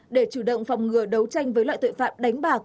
để chủ động phòng ngừa đấu tranh với loại tội phạm đánh bạc